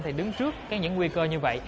thì đứng trước những nguy cơ như vậy